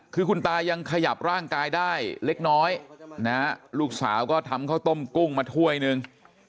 คือคุณตายังขยับร่างกายได้เล็กน้อยนะฮะลูกสาวก็ทำข้าวต้มกุ้งมาถ้วยหนึ่ง